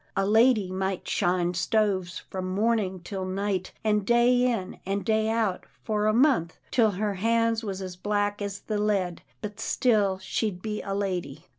" A lady might shine stoves from morning till night, and day in and day out for a month, till her hands was as black as the lead, but still she'd be a lady."